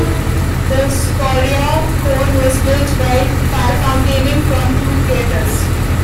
The scoria cone was built by fire-fountaining from two craters.